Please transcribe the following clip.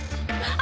あ。